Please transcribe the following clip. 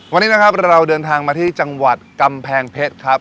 วันนี้นะครับเราเดินทางมาที่จังหวัดกำแพงเพชรครับ